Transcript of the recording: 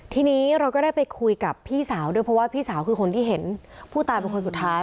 ทีนี้เราก็ได้ไปคุยกับพี่สาวด้วยเพราะว่าพี่สาวคือคนที่เห็นผู้ตายเป็นคนสุดท้าย